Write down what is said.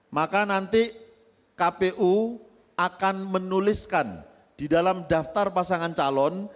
maka nanti kpu akan menuliskan di dalam daftar pasangan calon